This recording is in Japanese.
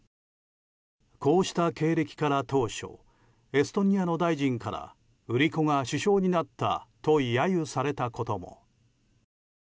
こうした経歴から当初エストニアの大臣から売り子が首相になったと揶揄されたことも。